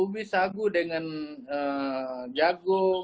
ubi sagu dan jagung